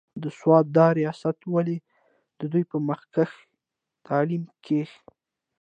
د سوات د رياست والي د دوي پۀ مخکښې تعليم کښې